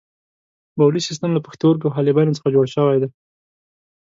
بولي سیستم له پښتورګو او حالبینو څخه جوړ شوی دی.